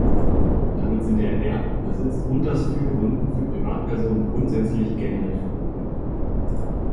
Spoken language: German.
Damit sind der Erwerb, Besitz und das Führen für Privatpersonen grundsätzlich generell verboten.